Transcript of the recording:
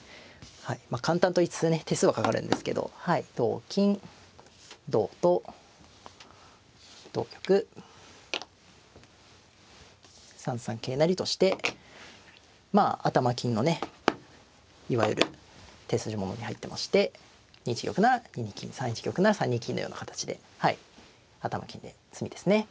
まあ簡単と言いつつね手数はかかるんですけど同金同と同玉３三桂成としてまあ頭金のねいわゆる手筋ものに入ってまして２一玉なら２二金３一玉なら３二金のような形で頭金で詰みですね。